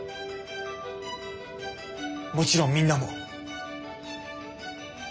もちろんみんなも。